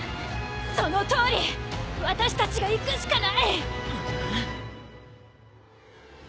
そのとおり！私たちが行くしかない！